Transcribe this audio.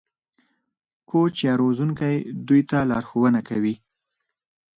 کوچ یا روزونکی دوی ته لارښوونه کوي.